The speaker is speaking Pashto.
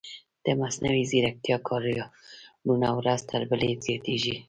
د مصنوعي ځیرکتیا کاریالونه ورځ تر بلې زیاتېږي.